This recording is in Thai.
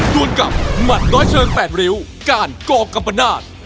รวมกับหมัดร้อยเทือน๘ริวการกรกับประนาจ